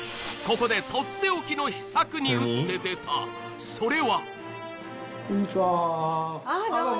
ここでとっておきの秘策に打って出たそれはこんにちはー